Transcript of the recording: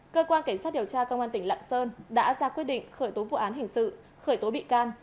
cơ quan cảnh sát điều tra công an tỉnh lạng sơn đã ra quyết định khởi tố vụ án hình sự khởi tố bị can